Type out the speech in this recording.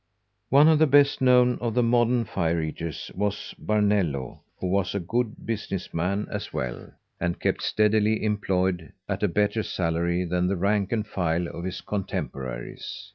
One of the best known of the modern fire eaters was Barnello, who was a good business man as well, and kept steadily employed at a better salary than the rank and file of his contemporaries.